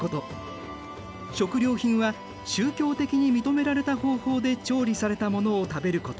食料品は宗教的に認められた方法で調理されたものを食べること。